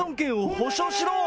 保障しろ！